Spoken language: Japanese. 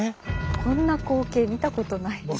こんな光景見たことないです。